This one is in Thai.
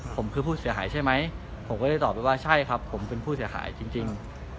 ผมคือผู้เสียหายใช่ไหมผมก็ได้ตอบไปว่าใช่ครับผมเป็นผู้เสียหายจริง